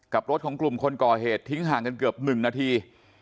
รถของกลุ่มคนก่อเหตุทิ้งห่างกันเกือบ๑นาที